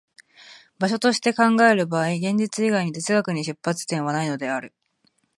場所として考える場合、現実以外に哲学の出発点はないのである。